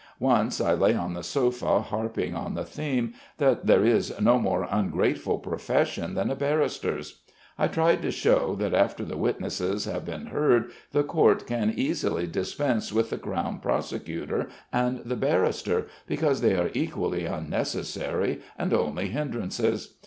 "Once I lay on the sofa, harping on the theme that there is no more ungrateful profession than a barrister's. I tried to show that after the witnesses have been heard the Court can easily dispense with the Crown Prosecutor and the barrister, because they are equally unnecessary and only hindrances.